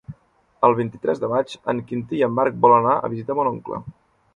El vint-i-tres de maig en Quintí i en Marc volen anar a visitar mon oncle.